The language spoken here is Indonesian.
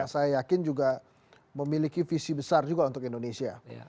saya yakin juga memiliki visi besar juga untuk indonesia